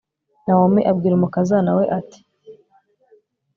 nawomi abwira umukazana we, ati